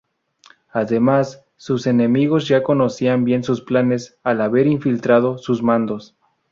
Además, sus enemigos ya conocían bien sus planes al haber infiltrado sus mandos.